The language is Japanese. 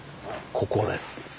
ここです。